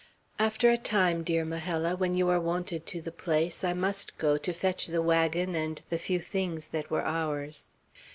"After a time, dear Majella, when you are wonted to the place, I must go, to fetch the wagon and the few things that were ours.